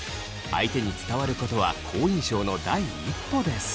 相手に伝わることは好印象の第一歩です。